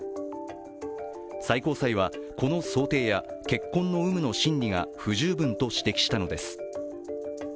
最高裁はこの想定や血痕の有無の審理が不十分と指摘したのです。